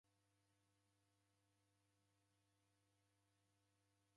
Sarigha, ngera kwadima kushinda